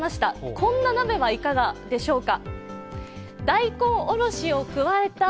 こんな鍋はいかがでしょうか。